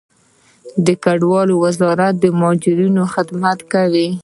د کډوالو وزارت د مهاجرینو خدمت کوي